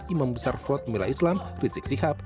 imam besar fulhamila islam rizik sihab